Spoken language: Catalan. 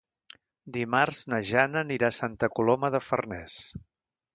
Dimarts na Jana anirà a Santa Coloma de Farners.